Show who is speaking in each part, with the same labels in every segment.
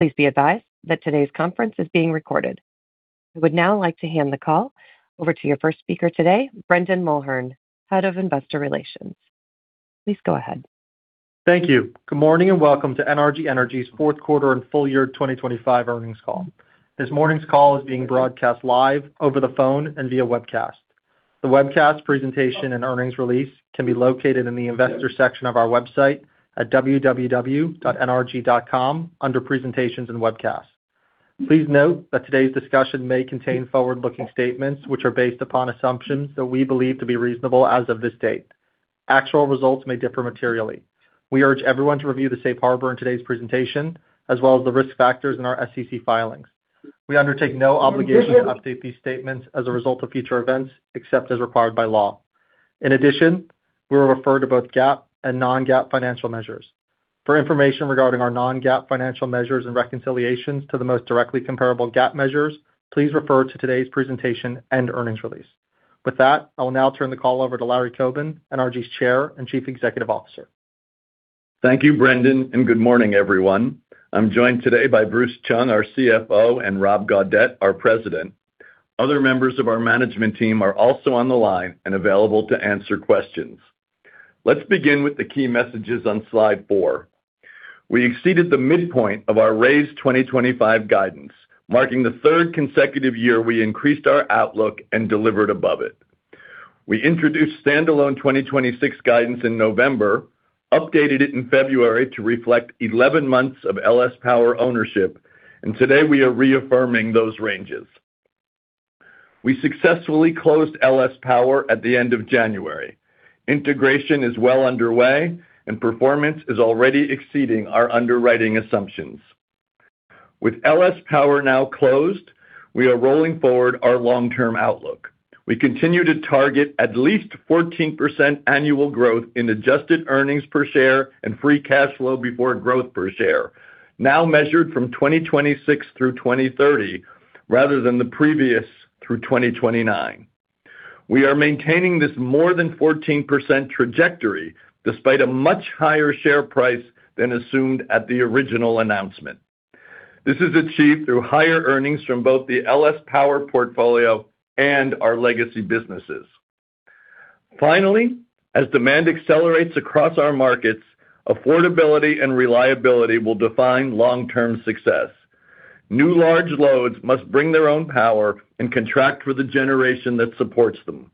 Speaker 1: Please be advised that today's conference is being recorded. I would now like to hand the call over to your first speaker today, Brendan Mulhern, Head of Investor Relations. Please go ahead.
Speaker 2: Thank you. Good morning, welcome to NRG Energy's fourth quarter and full year 2025 earnings call. This morning's call is being broadcast live over the phone and via webcast. The webcast presentation and earnings release can be located in the investor section of our website at www.nrg.com under Presentations and Webcasts. Please note that today's discussion may contain forward-looking statements, which are based upon assumptions that we believe to be reasonable as of this date. Actual results may differ materially. We urge everyone to review the safe harbor in today's presentation, as well as the risk factors in our SEC filings. We undertake no obligation to update these statements as a result of future events, except as required by law. In addition, we will refer to both GAAP and non-GAAP financial measures. For information regarding our non-GAAP financial measures and reconciliations to the most directly comparable GAAP measures, please refer to today's presentation and earnings release. I will now turn the call over to Larry Coben, NRG's Chair and Chief Executive Officer.
Speaker 3: Thank you, Brendan, and good morning, everyone. I'm joined today by Bruce Chung, our CFO, and Rob Gaudette, our President. Other members of our management team are also on the line and available to answer questions. Let's begin with the key messages on slide 4. We exceeded the midpoint of our raised 2025 guidance, marking the third consecutive year we increased our outlook and delivered above it. We introduced standalone 2026 guidance in November, updated it in February to reflect 11 months of LS Power ownership, and today we are reaffirming those ranges. We successfully closed LS Power at the end of January. Integration is well underway and performance is already exceeding our underwriting assumptions. With LS Power now closed, we are rolling forward our long-term outlook. We continue to target at least 14% annual growth in adjusted earnings per share and free cash flow before growth per share, now measured from 2026 through 2030, rather than the previous through 2029. We are maintaining this more than 14% trajectory despite a much higher share price than assumed at the original announcement. This is achieved through higher earnings from both the LS Power portfolio and our legacy businesses. Finally, as demand accelerates across our markets, affordability and reliability will define long-term success. New large loads must bring their own power and contract for the generation that supports them.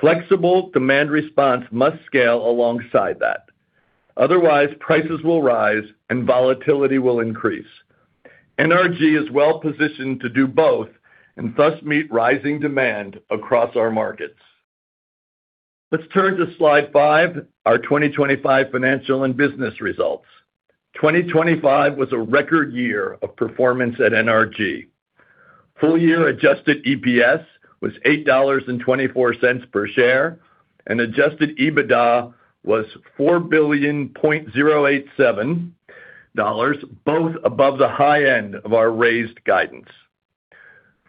Speaker 3: Flexible demand response must scale alongside that. Otherwise, prices will rise and volatility will increase. NRG is well-positioned to do both and thus meet rising demand across our markets. Let's turn to slide 5, our 2025 financial and business results. 2025 was a record year of performance at NRG. Full-year adjusted EPS was $8.24 per share, and adjusted EBITDA was $4.087 billion, both above the high end of our raised guidance.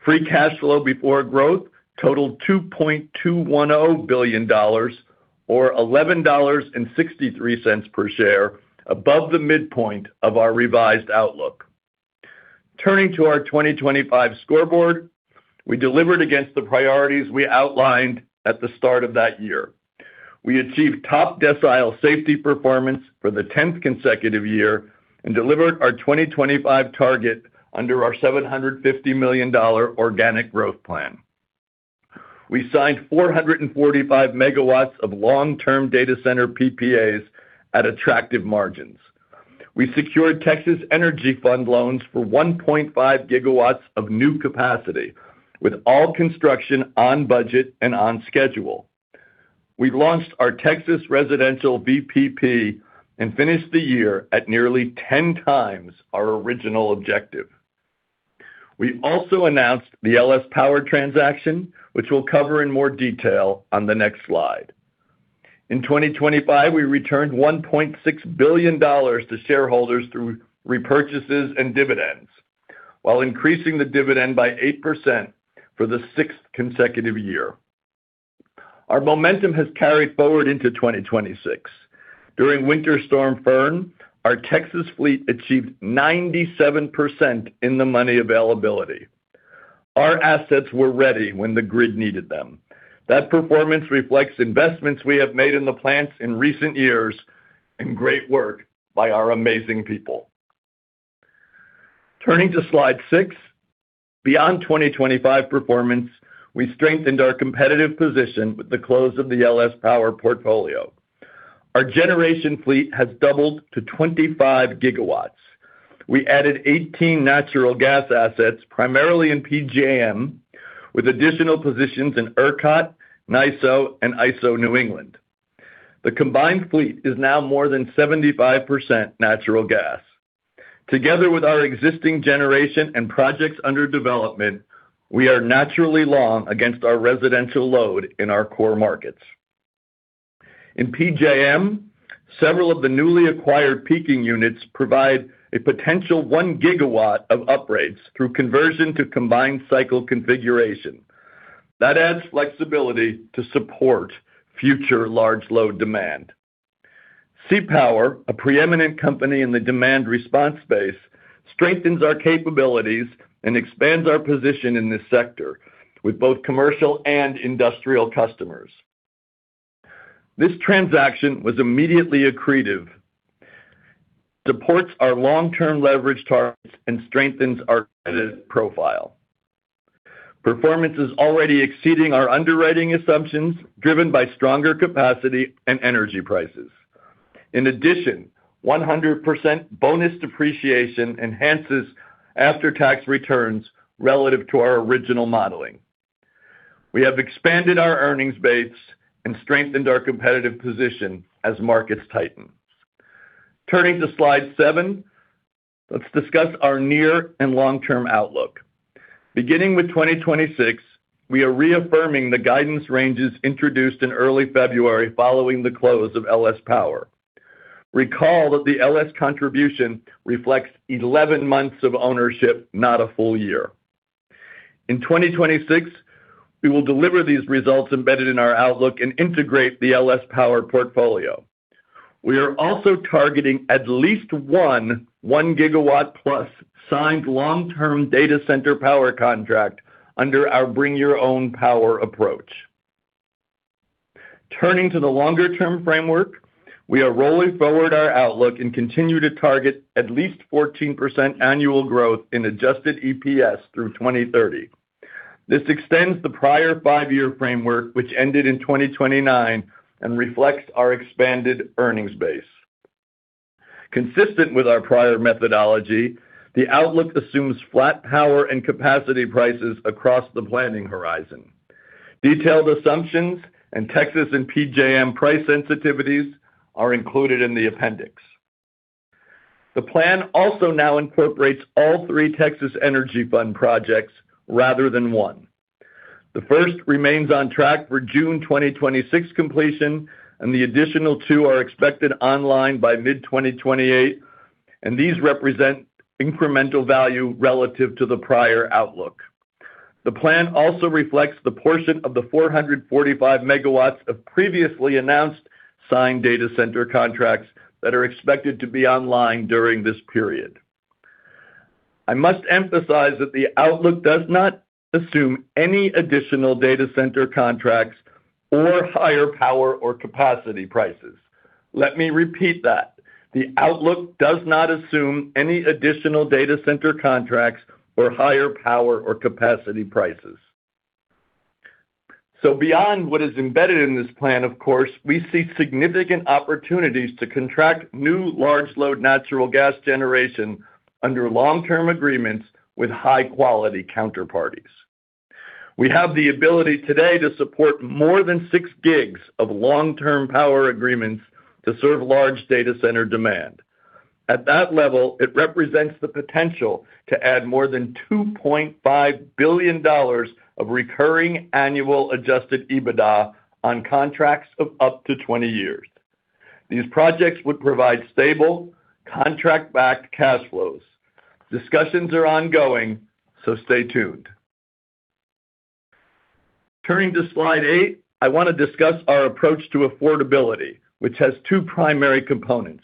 Speaker 3: Free cash flow before growth totaled $2.210 billion or $11.63 per share, above the midpoint of our revised outlook. Turning to our 2025 scoreboard, we delivered against the priorities we outlined at the start of that year. We achieved top decile safety performance for the 10th consecutive year and delivered our 2025 target under our $750 million organic growth plan. We signed 445 MW of long-term data center PPAs at attractive margins. We secured Texas Energy Fund loans for 1.5 GW of new capacity, with all construction on budget and on schedule. We've launched our Texas residential VPP and finished the year at nearly 10 times our original objective. We also announced the LS Power transaction, which we'll cover in more detail on the next slide. In 2025, we returned $1.6 billion to shareholders through repurchases and dividends, while increasing the dividend by 8% for the sixth consecutive year. Our momentum has carried forward into 2026. During Winter Storm Fern, our Texas fleet achieved 97% in the money availability. Our assets were ready when the grid needed them. That performance reflects investments we have made in the plants in recent years and great work by our amazing people. Turning to slide 6. Beyond 2025 performance, we strengthened our competitive position with the close of the LS Power portfolio. Our generation fleet has doubled to 25 GW. We added 18 natural gas assets, primarily in PJM, with additional positions in ERCOT, MISO, and ISO New England. The combined fleet is now more than 75% natural gas. Together with our existing generation and projects under development, we are naturally long against our residential load in our core markets. In PJM, several of the newly acquired peaking units provide a potential 1 GW of upgrades through conversion to combined cycle configuration. That adds flexibility to support future large load demand. CPower, a preeminent company in the demand response space, strengthens our capabilities and expands our position in this sector with both commercial and industrial customers. This transaction was immediately accretive, supports our long-term leverage targets, and strengthens our credit profile. Performance is already exceeding our underwriting assumptions, driven by stronger capacity and energy prices. In addition, 100% bonus depreciation enhances after-tax returns relative to our original modeling. We have expanded our earnings base and strengthened our competitive position as markets tighten. Turning to slide 7, let's discuss our near and long-term outlook. Beginning with 2026, we are reaffirming the guidance ranges introduced in early February following the close of LS Power. Recall that the LS contribution reflects 11 months of ownership, not a full year. In 2026, we will deliver these results embedded in our outlook and integrate the LS Power portfolio. We are also targeting at least 1 GW-plus signed long-term data center power contract under our Bring Your Own Power approach. Turning to the longer-term framework, we are rolling forward our outlook and continue to target at least 14% annual growth in adjusted EPS through 2030. This extends the prior five-year framework, which ended in 2029, and reflects our expanded earnings base. Consistent with our prior methodology, the outlook assumes flat power and capacity prices across the planning horizon. Detailed assumptions and Texas and PJM price sensitivities are included in the appendix. The plan also now incorporates all three Texas Energy Fund projects rather than one. The first remains on track for June 2026 completion, and the additional twoare expected online by mid-2028. These represent incremental value relative to the prior outlook. The plan also reflects the portion of the 445 MW of previously announced signed data center contracts that are expected to be online during this period. I must emphasize that the outlook does not assume any additional data center contracts or higher power or capacity prices. Let me repeat that. The outlook does not assume any additional data center contracts or higher power or capacity prices. Beyond what is embedded in this plan, of course, we see significant opportunities to contract new large load natural gas generation under long-term agreements with high-quality counterparties. We have the ability today to support more than 6 GW of long-term power agreements to serve large data center demand. At that level, it represents the potential to add more than $2.5 billion of recurring annual adjusted EBITDA on contracts of up to 20 years. These projects would provide stable, contract-backed cash flows. Discussions are ongoing, so stay tuned. Turning to slide 8, I want to discuss our approach to affordability, which has two primary components.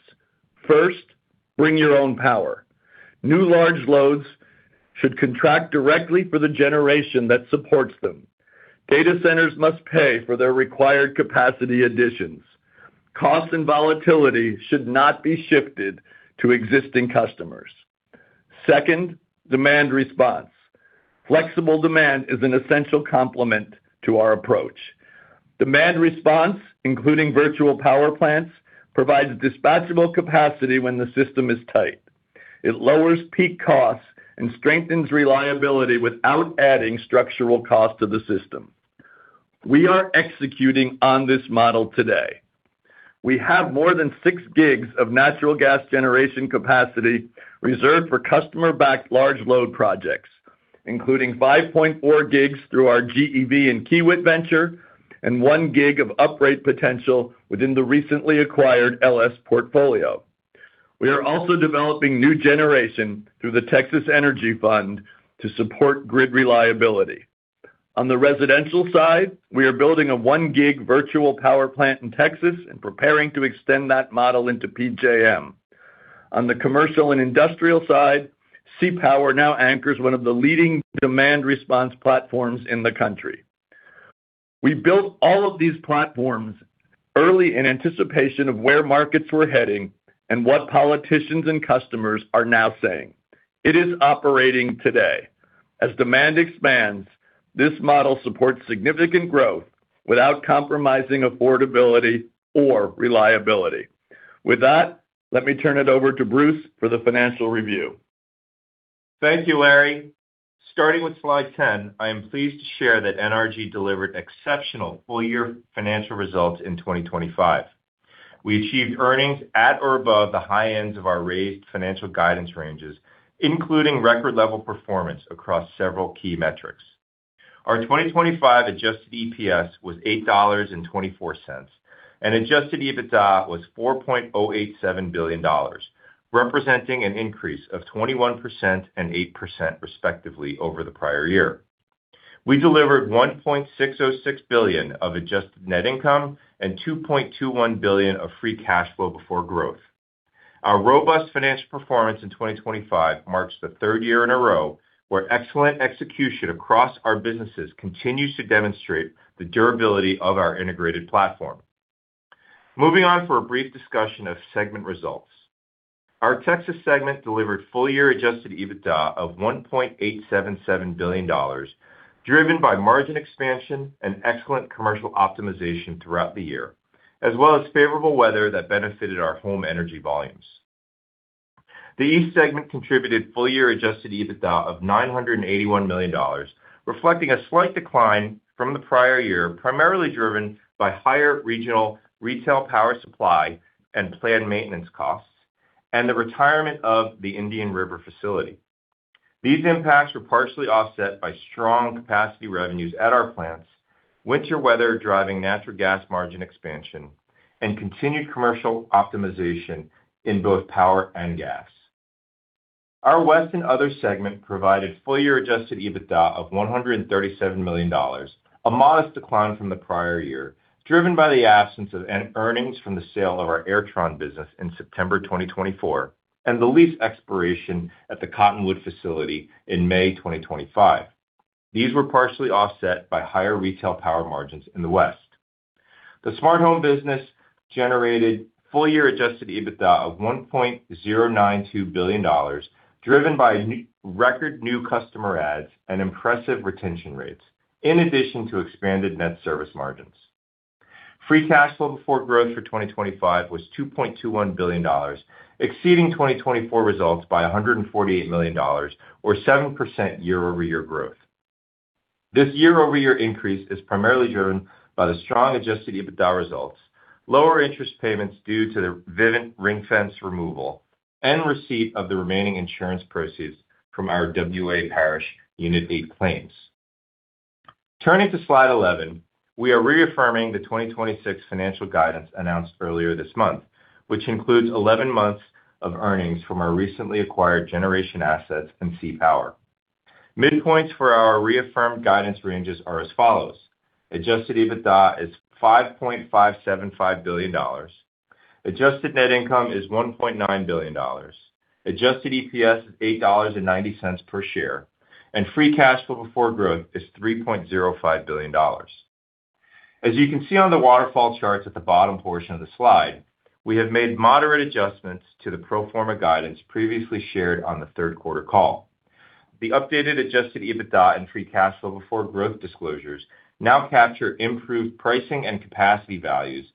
Speaker 3: First, Bring Your Own Power. New large loads should contract directly for the generation that supports them. Data centers must pay for their required capacity additions. Cost and volatility should not be shifted to existing customers. Second, demand response. Flexible demand is an essential complement to our approach. Demand response, including virtual power plants, provides dispatchable capacity when the system is tight. It lowers peak costs and strengthens reliability without adding structural cost to the system. We are executing on this model today. We have more than 6 GW of natural gas generation capacity reserved for customer-backed large load projects, including 5.4 GW through our GE Vernova and Kiewit venture, and 1 GW of uprate potential within the recently acquired LS portfolio. We are also developing new generation through the Texas Energy Fund to support grid reliability. On the residential side, we are building a 1 GW virtual power plant in Texas and preparing to extend that model into PJM. On the commercial and industrial side, CPower now anchors one of the leading demand response platforms in the country. We built all of these platforms early in anticipation of where markets were heading and what politicians and customers are now saying. It is operating today. As demand expands, this model supports significant growth without compromising affordability or reliability. With that, let me turn it over to Bruce for the financial review.
Speaker 4: Thank you, Larry. Starting with slide 10, I am pleased to share that NRG delivered exceptional full-year financial results in 2025. We achieved earnings at or above the high ends of our raised financial guidance ranges, including record-level performance across several key metrics. Our 2025 adjusted EPS was $8.24, and adjusted EBITDA was $4.087 billion, representing an increase of 21% and 8%, respectively, over the prior year. We delivered $1.606 billion of adjusted net income and $2.21 billion of free cash flow before growth. Our robust financial performance in 2025 marks the third year in a row, where excellent execution across our businesses continues to demonstrate the durability of our integrated platform. Moving on for a brief discussion of segment results. Our Texas segment delivered full-year adjusted EBITDA of $1.877 billion, driven by margin expansion and excellent commercial optimization throughout the year, as well as favorable weather that benefited our home energy volumes. The East segment contributed full-year adjusted EBITDA of $981 million, reflecting a slight decline from the prior year, primarily driven by higher regional retail power supply and planned maintenance costs, and the retirement of the Indian River facility. These impacts were partially offset by strong capacity revenues at our plants, winter weather driving natural gas margin expansion, and continued commercial optimization in both power and gas. Our West and Other segment provided full-year adjusted EBITDA of $137 million, a modest decline from the prior year, driven by the absence of earnings from the sale of our Airtron business in September 2024, and the lease expiration at the Cottonwood facility in May 2025. These were partially offset by higher retail power margins in the West. The Smart Home business generated full-year adjusted EBITDA of $1.092 billion, driven by record new customer adds and impressive retention rates, in addition to expanded net service margins. Free cash flow before growth for 2025 was $2.21 billion, exceeding 2024 results by $148 million or 7% year-over-year growth. This year-over-year increase is primarily driven by the strong adjusted EBITDA results, lower interest payments due to the Vivint ring fence removal, and receipt of the remaining insurance proceeds from our WA Parish Unit 8 claims. Turning to slide 11, we are reaffirming the 2026 financial guidance announced earlier this month, which includes 11 months of earnings from our recently acquired generation assets and CPower. Midpoints for our reaffirmed guidance ranges are as follows: adjusted EBITDA is $5.575 billion, adjusted net income is $1.9 billion, adjusted EPS is $8.90 per share, and free cash flow before growth is $3.05 billion. As you can see on the waterfall charts at the bottom portion of the slide, we have made moderate adjustments to the pro forma guidance previously shared on the 3rd quarter call. The updated adjusted EBITDA and free cash flow before growth disclosures now capture improved pricing and capacity values,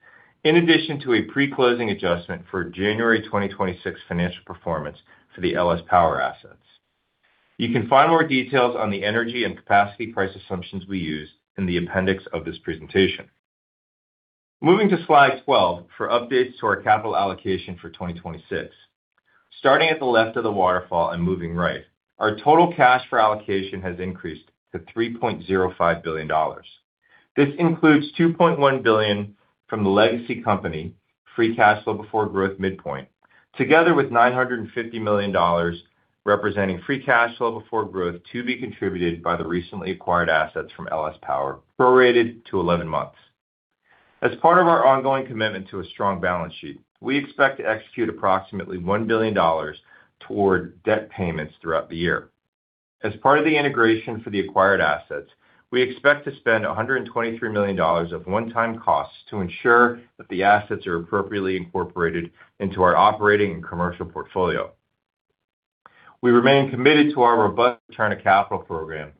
Speaker 4: in addition to a pre-closing adjustment for January 2026 financial performance for the LS Power assets. You can find more details on the energy and capacity price assumptions we used in the appendix of this presentation. Moving to slide 12 for updates to our capital allocation for 2026. Starting at the left of the waterfall and moving right, our total cash for allocation has increased to $3.05 billion. This includes $2.1 billion from the legacy company, free cash flow before growth midpoint, together with $950 million, representing free cash flow before growth to be contributed by the recently acquired assets from LS Power, prorated to 11 months. As part of our ongoing commitment to a strong balance sheet, we expect to execute approximately $1 billion toward debt payments throughout the year. As part of the integration for the acquired assets, we expect to spend $123 million of one-time costs to ensure that the assets are appropriately incorporated into our operating and commercial portfolio. We remain committed to our robust return of capital program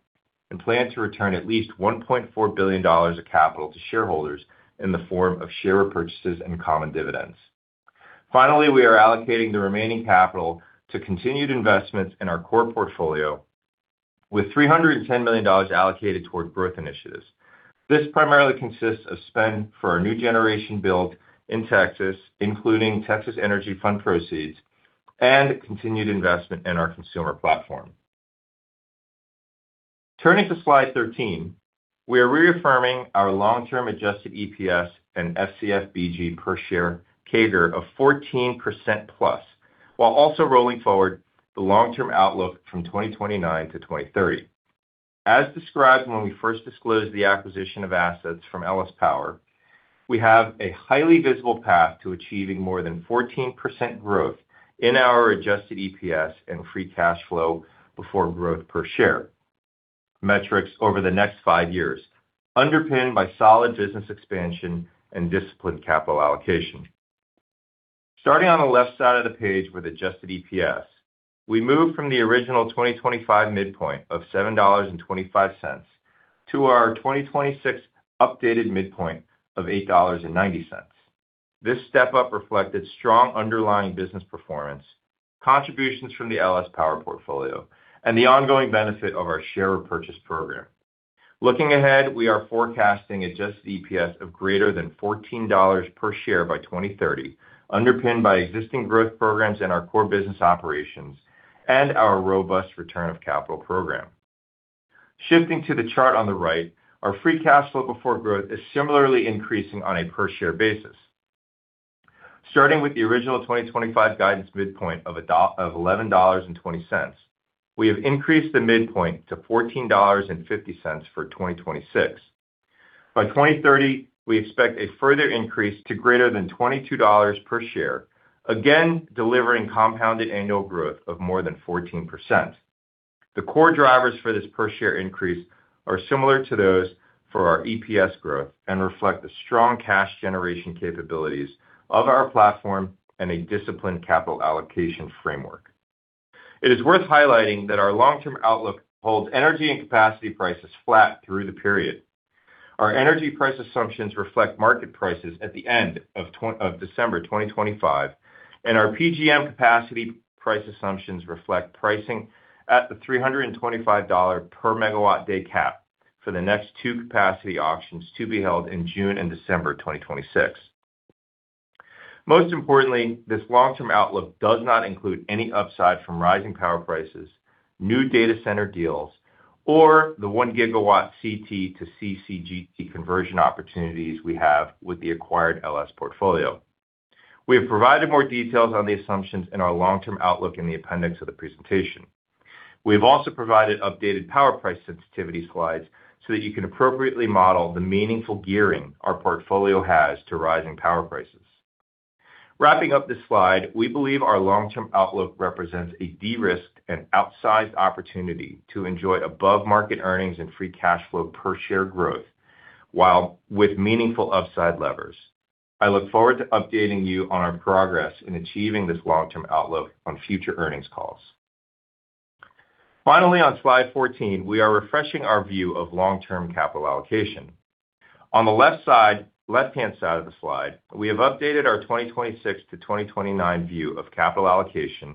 Speaker 4: and plan to return at least $1.4 billion of capital to shareholders in the form of share repurchases and common dividends. Finally, we are allocating the remaining capital to continued investments in our core portfolio, with $310 million allocated toward growth initiatives. This primarily consists of spend for our new generation build in Texas, including Texas Energy Fund proceeds and continued investment in our consumer platform. Turning to slide 13, we are reaffirming our long-term adjusted EPS and FCFBG per share CAGR of 14%+, while also rolling forward the long-term outlook from 2029 to 2030. As described when we first disclosed the acquisition of assets from LS Power, we have a highly visible path to achieving more than 14% growth in our adjusted EPS and free cash flow before growth per share metrics over the next five years, underpinned by solid business expansion and disciplined capital allocation. Starting on the left side of the page with adjusted EPS, we moved from the original 2025 midpoint of $7.25 to our 2026 updated midpoint of $8.90. This step-up reflected strong underlying business performance, contributions from the LS Power portfolio, and the ongoing benefit of our share repurchase program. Looking ahead, we are forecasting adjusted EPS of greater than $14 per share by 2030, underpinned by existing growth programs in our core business operations and our robust return of capital program. Shifting to the chart on the right, our free cash flow before growth is similarly increasing on a per-share basis. Starting with the original 2025 guidance midpoint of $11.20, we have increased the midpoint to $14.50 for 2026. By 2030, we expect a further increase to greater than $22 per share, again, delivering compounded annual growth of more than 14%. The core drivers for this per share increase are similar to those for our EPS growth and reflect the strong cash generation capabilities of our platform and a disciplined capital allocation framework. It is worth highlighting that our long-term outlook holds energy and capacity prices flat through the period. Our energy price assumptions reflect market prices at the end of December 2025. Our PJM capacity price assumptions reflect pricing at the $325 per megawatt day cap for the next two capacity auctions to be held in June and December 2026. Most importantly, this long-term outlook does not include any upside from rising power prices, new data center deals, or the 1 GW CT to CCGT conversion opportunities we have with the acquired LS portfolio. We have provided more details on the assumptions in our long-term outlook in the appendix of the presentation. We have also provided updated power price sensitivity slides so that you can appropriately model the meaningful gearing our portfolio has to rising power prices. Wrapping up this slide, we believe our long-term outlook represents a de-risked and outsized opportunity to enjoy above-market earnings and free cash flow per share growth, while with meaningful upside levers. I look forward to updating you on our progress in achieving this long-term outlook on future earnings calls. On slide 14, we are refreshing our view of long-term capital allocation. On the left-hand side of the slide, we have updated our 2026 to 2029 view of capital allocation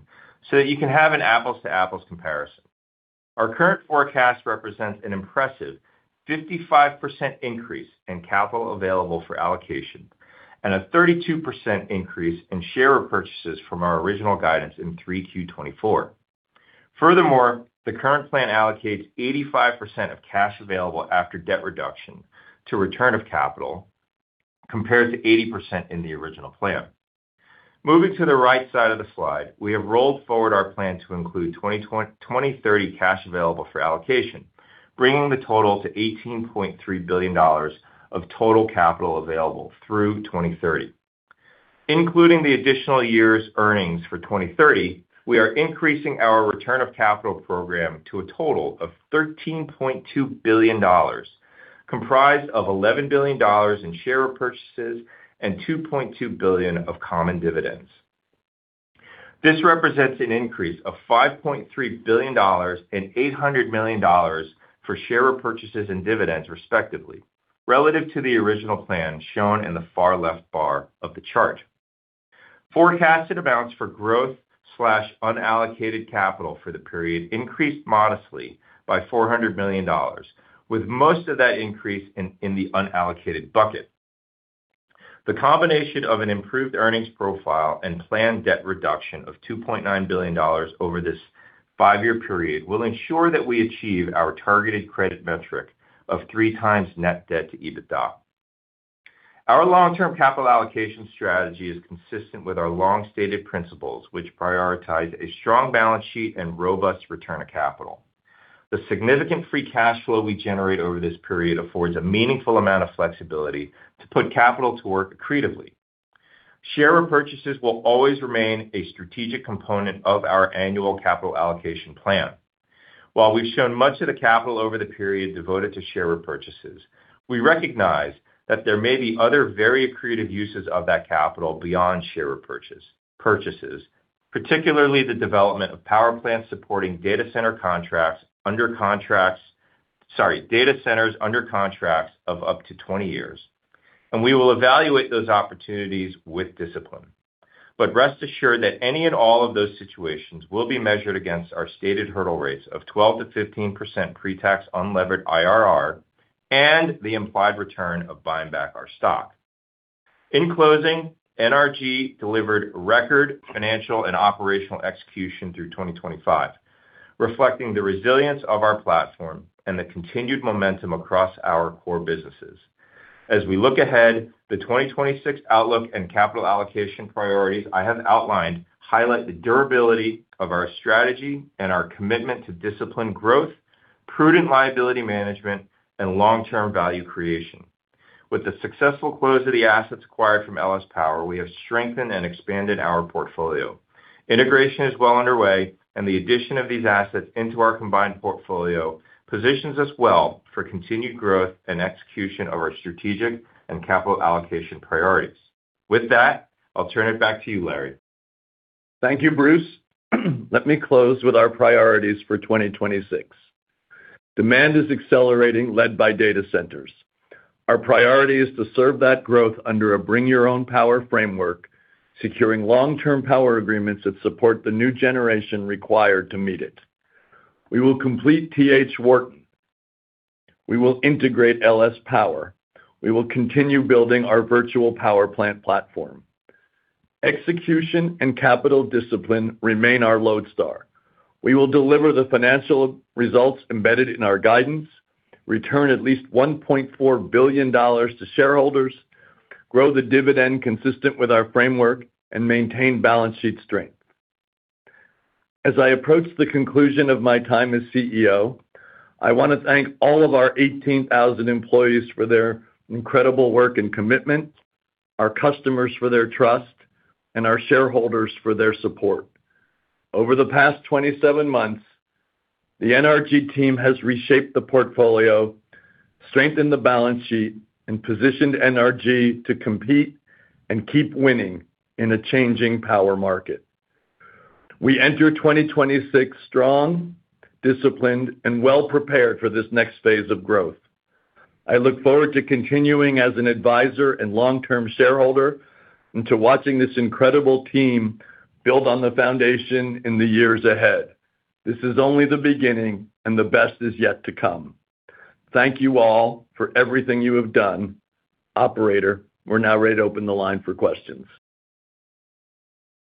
Speaker 4: so that you can have an apples-to-apples comparison. Our current forecast represents an impressive 55% increase in capital available for allocation and a 32% increase in share repurchases from our original guidance in 3Q 2024. The current plan allocates 85% of cash available after debt reduction to return of capital, compared to 80% in the original plan. Moving to the right side of the slide, we have rolled forward our plan to include 2030 cash available for allocation, bringing the total to $18.3 billion of total capital available through 2030. Including the additional year's earnings for 2030, we are increasing our return of capital program to a total of $13.2 billion, comprised of $11 billion in share repurchases and $2.2 billion of common dividends. This represents an increase of $5.3 billion and $800 million for share repurchases and dividends, respectively, relative to the original plan shown in the far left bar of the chart. Forecasted amounts for growth slash unallocated capital for the period increased modestly by $400 million, with most of that increase in the unallocated bucket. The combination of an improved earnings profile and planned debt reduction of $2.9 billion over this five-year period will ensure that we achieve our targeted credit metric of 3x net debt to EBITDA. Our long-term capital allocation strategy is consistent with our long-stated principles, which prioritize a strong balance sheet and robust return of capital. The significant free cash flow we generate over this period affords a meaningful amount of flexibility to put capital to work accretively. Share repurchases will always remain a strategic component of our annual capital allocation plan. While we've shown much of the capital over the period devoted to share repurchases, we recognize that there may be other very accretive uses of that capital beyond share repurchases, particularly the development of power plants supporting data center contracts under contracts... Sorry, data centers under contracts of up to 20 years. We will evaluate those opportunities with discipline. Rest assured that any and all of those situations will be measured against our stated hurdle rates of 12%-15% pretax unlevered IRR and the implied return of buying back our stock. In closing, NRG delivered record financial and operational execution through 2025, reflecting the resilience of our platform and the continued momentum across our core businesses. As we look ahead, the 2026 outlook and capital allocation priorities I have outlined highlight the durability of our strategy and our commitment to disciplined growth, prudent liability management, and long-term value creation. With the successful close of the assets acquired from LS Power, we have strengthened and expanded our portfolio. Integration is well underway, and the addition of these assets into our combined portfolio positions us well for continued growth and execution of our strategic and capital allocation priorities. With that, I'll turn it back to you, Larry.
Speaker 3: Thank you, Bruce. Let me close with our priorities for 2026. Demand is accelerating, led by data centers. Our priority is to serve that growth under a Bring Your Own Power framework, securing long-term power agreements that support the new generation required to meet it. We will complete TH Wharton. We will integrate LS Power. We will continue building our virtual power plant platform. Execution and capital discipline remain our lodestar.... We will deliver the financial results embedded in our guidance, return at least $1.4 billion to shareholders, grow the dividend consistent with our framework, and maintain balance sheet strength. As I approach the conclusion of my time as CEO, I want to thank all of our 18,000 employees for their incredible work and commitment, our customers for their trust, and our shareholders for their support. Over the past 27 months, the NRG team has reshaped the portfolio, strengthened the balance sheet, and positioned NRG to compete and keep winning in a changing power market. We enter 2026 strong, disciplined, and well prepared for this next phase of growth. I look forward to continuing as an advisor and long-term shareholder and to watching this incredible team build on the foundation in the years ahead. This is only the beginning. The best is yet to come. Thank you all for everything you have done. Operator, we're now ready to open the line for questions.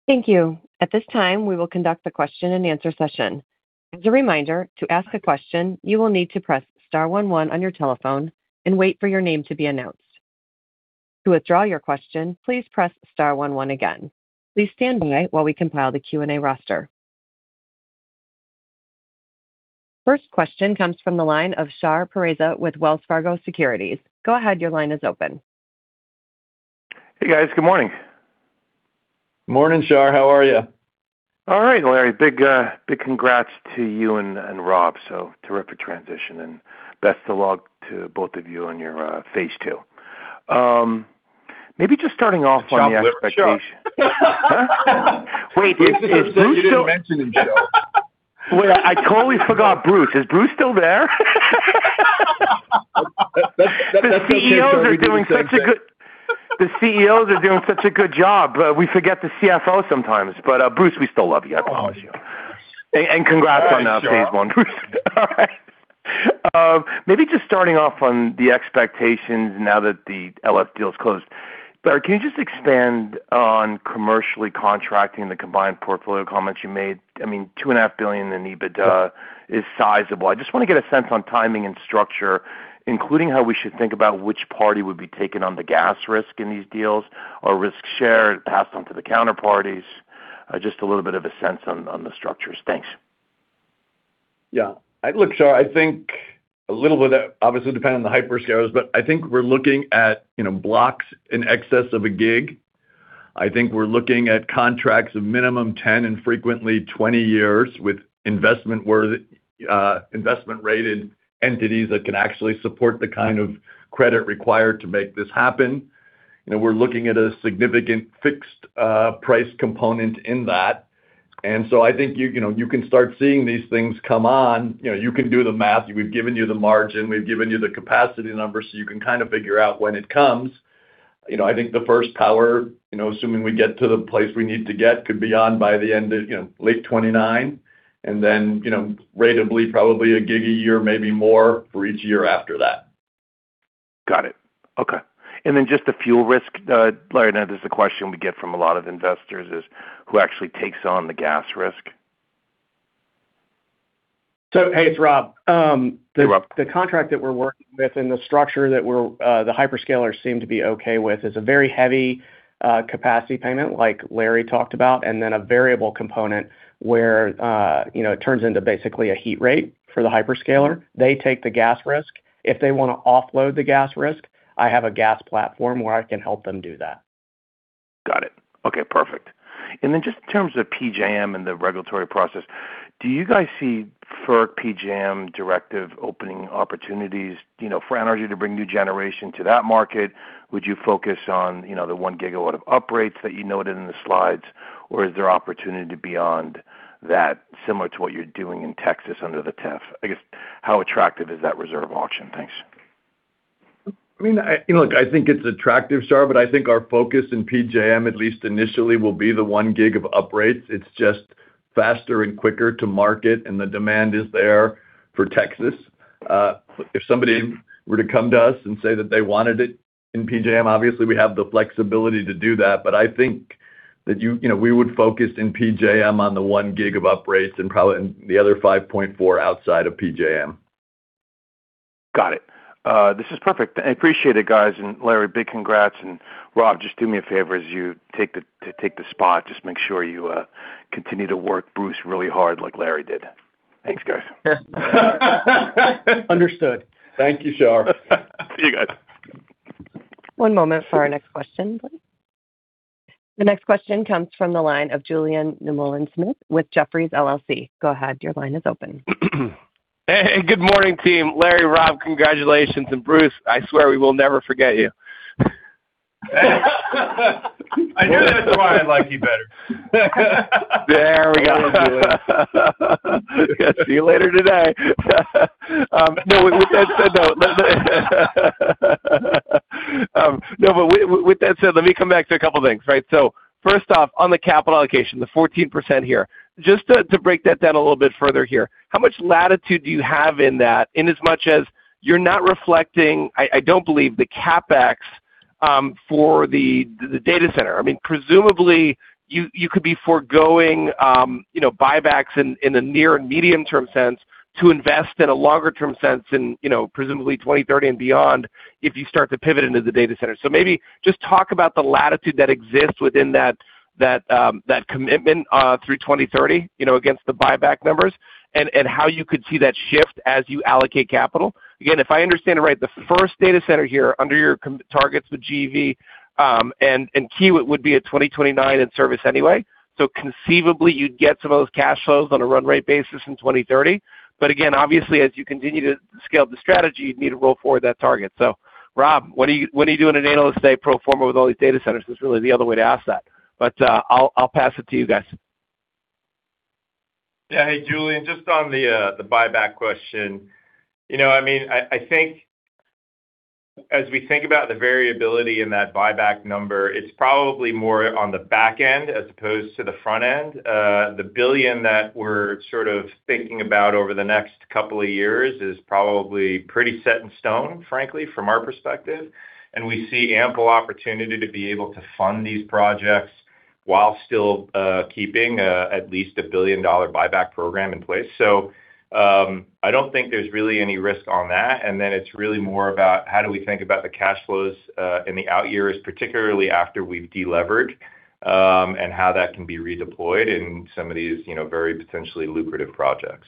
Speaker 1: Thank you. At this time, we will conduct the question-and-answer session. As a reminder, to ask a question, you will need to press star one one on your telephone and wait for your name to be announced. To withdraw your question, please press star one one again. Please stand by while we compile the Q&A roster. First question comes from the line of Shar Pourreza with Wells Fargo Securities. Go ahead. Your line is open.
Speaker 5: Hey, guys. Good morning.
Speaker 3: Morning, Shar. How are you?
Speaker 5: All right, Larry. Big, big congrats to you and Rob. Terrific transition, and best of luck to both of you on your phase two. Maybe just starting off on the expectation. Wait, is Bruce still?
Speaker 3: You didn't mention him, Joe.
Speaker 5: Wait, I totally forgot Bruce. Is Bruce still there?
Speaker 3: The CEOs are doing such a good job, we forget the CFO sometimes. Bruce, we still love you. I promise you. Congrats on phase one.
Speaker 5: Maybe just starting off on the expectations now that the LS Power deal is closed. Can you just expand on commercially contracting the combined portfolio comments you made? $2.5 billion in EBITDA is sizable. I just want to get a sense on timing and structure, including how we should think about which party would be taking on the gas risk in these deals or risk share passed on to the counterparties. Just a little bit of a sense on the structures. Thanks.
Speaker 3: Yeah. Look, Shar, I think a little bit, obviously, depending on the hyperscalers, but I think we're looking at, you know, blocks in excess of a gigawatt. I think we're looking at contracts of minimum 10 and frequently 20 years, with investment worth, investment-rated entities that can actually support the kind of credit required to make this happen. You know, we're looking at a significant fixed, price component in that, and so I think you know, you can start seeing these things come on. You know, you can do the math. We've given you the margin, we've given you the capacity numbers, so you can kind of figure out when it comes. You know, I think the first power, you know, assuming we get to the place we need to get, could be on by the end of, you know, late 2029, and then, you know, ratably, probably 1 GW a year, maybe more, for each year after that.
Speaker 5: Got it. Okay. Then just the fuel risk, Larry, I know this is a question we get from a lot of investors, is who actually takes on the gas risk?
Speaker 6: hey, it's Rob.
Speaker 5: Hey, Rob.
Speaker 6: The contract that we're working with and the structure that we're, the hyperscalers seem to be okay with, is a very heavy capacity payment, like Larry talked about, and then a variable component where, you know, it turns into basically a heat rate for the hyperscaler. They take the gas risk. If they want to offload the gas risk, I have a gas platform where I can help them do that.
Speaker 5: Got it. Okay, perfect. Then just in terms of PJM and the regulatory process, do you guys see FERC PJM directive opening opportunities, you know, for NRG to bring new generation to that market? Would you focus on, you know, the 1 GW of uprates that you noted in the slides, or is there opportunity beyond that, similar to what you're doing in Texas under the TEF? I guess, how attractive is that reserve auction? Thanks.
Speaker 3: I mean, look, I think it's attractive, Shar, but I think our focus in PJM, at least initially, will be the 1 GW of uprates. It's just faster and quicker to market, the demand is there for Texas. If somebody were to come to us and say that they wanted it in PJM, obviously, we have the flexibility to do that, but I think that you know, we would focus in PJM on the 1 GW of uprates and probably the other 5.4 outside of PJM.
Speaker 5: Got it. This is perfect. I appreciate it, guys. Larry, big congrats. Rob, just do me a favor as you take the spot, just make sure you continue to work Bruce really hard like Larry did. Thanks, guys.
Speaker 6: Understood.
Speaker 3: Thank you, Shar.
Speaker 5: See you guys.
Speaker 1: One moment for our next question, please. The next question comes from the line of Julien Dumoulin-Smith with Jefferies LLC. Go ahead. Your line is open.
Speaker 7: Hey, good morning, team. Larry, Rob, congratulations. Bruce, I swear we will never forget you.
Speaker 3: That's why I like you better.
Speaker 7: There we go. See you later today. No, with that said, no. No, but with that said, let me come back to a couple of things, right? First off, on the capital allocation, the 14% here, just to break that down a little bit further here, how much latitude do you have in that, in as much as you're not reflecting, I don't believe, the CapEx for the data center? I mean, presumably, you could be foregoing, you know, buybacks in the near and medium-term sense to invest in a longer-term sense in, you know, presumably 2030 and beyond, if you start to pivot into the data center. Maybe just talk about the latitude that exists within that, that commitment through 2030, you know, against the buyback numbers, and how you could see that shift as you allocate capital. Again, if I understand it right, the first data center here under your targets with GEV, and Kiewit would be a 2029 in service anyway. Conceivably, you'd get some of those cash flows on a run rate basis in 2030. But again, obviously, as you continue to scale up the strategy, you'd need to roll forward that target. Rob, what are you doing an Analyst Day pro forma with all these data centers? That's really the other way to ask that. I'll pass it to you guys.
Speaker 4: Yeah. Hey, Julien, just on the buyback question. You know, I mean, I think as we think about the variability in that buyback number, it's probably more on the back end as opposed to the front end. The $1 billion that we're sort of thinking about over the next couple of years is probably pretty set in stone, frankly, from our perspective. We see ample opportunity to be able to fund these projects while still keeping at least a billion-dollar buyback program in place. I don't think there's really any risk on that. Then it's really more about how do we think about the cash flows in the out years, particularly after we've delevered, and how that can be redeployed in some of these, you know, very potentially lucrative projects.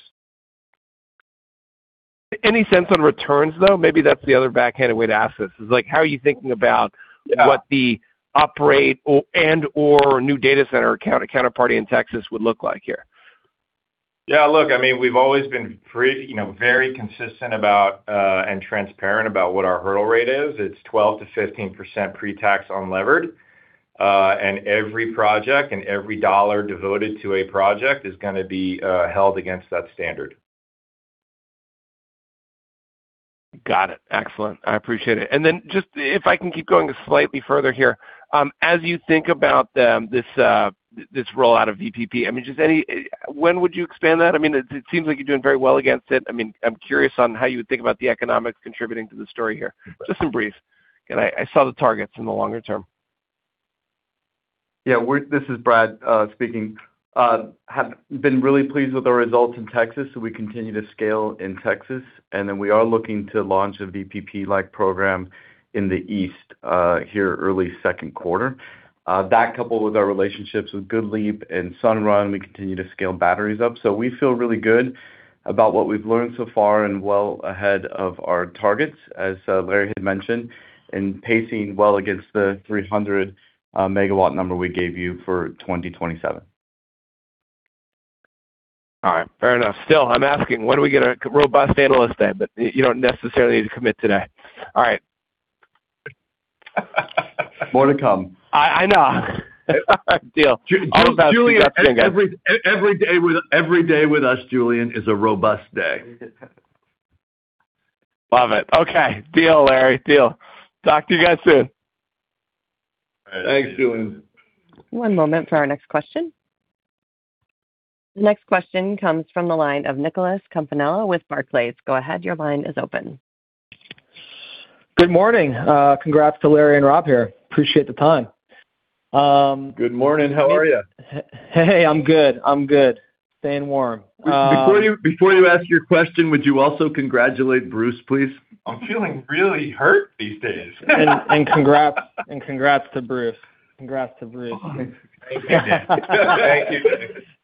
Speaker 7: Any sense on returns, though? Maybe that's the other backhanded way to ask this, is, like, how are you thinking about.
Speaker 4: Yeah
Speaker 7: what the operate or, and/or new data center counterparty in Texas would look like here?
Speaker 4: Yeah, look, I mean, we've always been pretty, you know, very consistent about, and transparent about what our hurdle rate is. It's 12%-15% pretax unlevered, and every project and every dollar devoted to a project is gonna be held against that standard.
Speaker 7: Got it. Excellent. I appreciate it. Just if I can keep going slightly further here. As you think about this rollout of VPP, I mean, when would you expand that? I mean, it seems like you're doing very well against it. I mean, I'm curious on how you would think about the economics contributing to the story here. Just in brief. Again, I saw the targets in the longer term.
Speaker 8: Yeah, This is Brad speaking. Have been really pleased with the results in Texas. We continue to scale in Texas. We are looking to launch a VPP-like program in the east here early second quarter. That coupled with our relationships with GoodLeap and Sunrun, we continue to scale batteries up. We feel really good about what we've learned so far and well ahead of our targets, as Larry had mentioned, pacing well against the 300 MW number we gave you for 2027.
Speaker 7: Fair enough. Still, I'm asking, when do we get a robust Analyst Day? You don't necessarily need to commit today. All right.
Speaker 3: More to come.
Speaker 7: I know. Deal.
Speaker 3: Julien, every day with us, Julien, is a robust day.
Speaker 7: Love it. Okay. Deal, Larry. Deal. Talk to you guys soon.
Speaker 3: Thanks, Julien.
Speaker 1: One moment for our next question. The next question comes from the line of Nicholas Campanella with Barclays. Go ahead, your line is open.
Speaker 9: Good morning. Congrats to Larry and Rob here. Appreciate the time.
Speaker 3: Good morning. How are you?
Speaker 9: Hey, I'm good. I'm good. Staying warm.
Speaker 3: Before you ask your question, would you also congratulate Bruce, please?
Speaker 4: I'm feeling really hurt these days.
Speaker 9: Congrats to Bruce.
Speaker 4: Thank you, Nick.